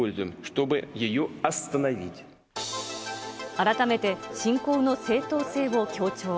改めて侵攻の正当性を強調。